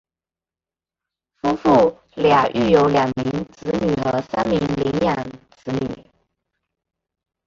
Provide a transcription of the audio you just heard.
夫妇俩育有两名子女和三名领养子女。